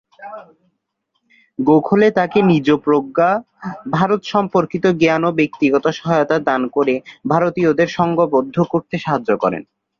গোখলে তাকে নিজ প্রজ্ঞা, ভারত সম্পর্কিত জ্ঞান ও ব্যক্তিগত সহায়তা দান করে ভারতীয়দের সংঘবদ্ধ করতে সাহায্য করেন।